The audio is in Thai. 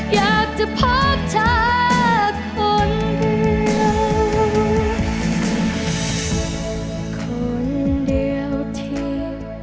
อยากจะพบเธอคนเดียวที่